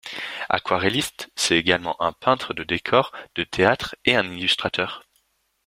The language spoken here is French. Aquarelliste, c'est également un peintre de décors de théâtre et un illustrateur.